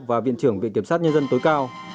và viện trưởng viện kiểm sát nhân dân tối cao